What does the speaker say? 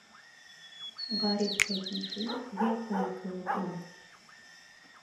Ғариф әйтмешләй, йәй көнө кеүек ине.